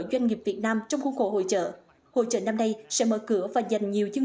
doanh nghiệp việt nam trong khuôn khổ hội trợ hội trợ năm nay sẽ mở cửa và dành nhiều chương